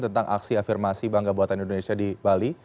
tentang aksi afirmasi bangga buatan indonesia di bali